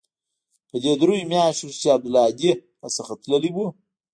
په دې درېو مياشتو کښې چې عبدالهادي را څخه تللى و.